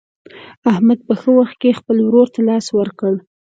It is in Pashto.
احمد په ښه وخت کې خپل ورور ته لاس ورکړ.